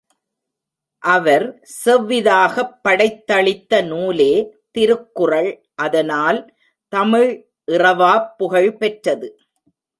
அவர் செவ்விதாகப் படைத்தளித்த நூலே திருக்குறள் அதனால், தமிழ் இறவாப் புகழ்பெற்றது.